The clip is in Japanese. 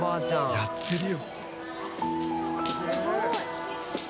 やってるよ。